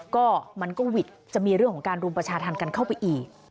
ก็มันก็หวิดจะมีเรื่องของการรุมประชาธรรมกันเข้าไปอีก